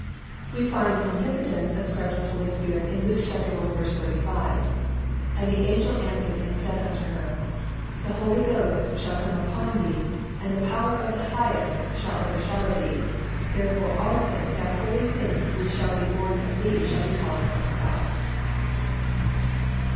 We find omnipotence ascribed to the Holy Spirit in Luke i. 35, "And the angel answered and said unto her, The Holy Ghost shall come upon thee, and the power of the Highest shall overshadow thee: therefore also that holy thing which shall be born of thee shall be called the Son of God."